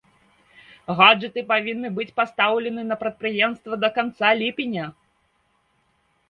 Гаджэты павінны быць пастаўленыя на прадпрыемства да канца ліпеня.